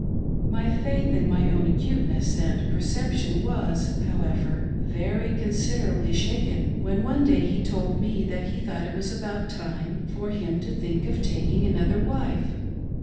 My faith in my own acuteness and perception was, however, very considerably shaken when one day he told me that he thought it was about time for hinj to think of taking another wife.